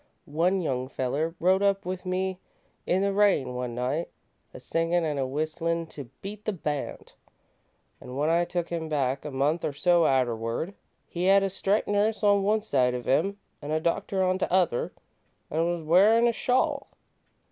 One young feller rode up with me in the rain one night, a singin' an' a whistlin' to beat the band, an' when I took him back, a month or so arterward, he had a striped nurse on one side of him an' a doctor on t' other, an' was wearin' a shawl.